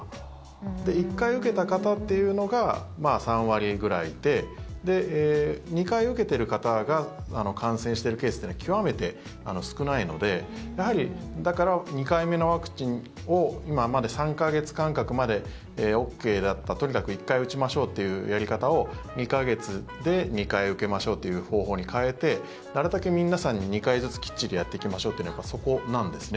で、１回受けた方っていうのが３割ぐらいいて２回受けている方が感染しているケースってのは極めて少ないのでやはり、だから２回目のワクチンを今まで３か月間隔までＯＫだったとにかく１回打ちましょうというやり方を２か月で２回受けましょうという方法に変えてなるたけ皆さんに２回ずつきっちりやっていきましょうってのは、そこなんですね。